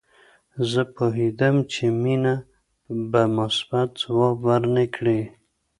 زه پوهېدم چې مينه به مثبت ځواب ورنه کړي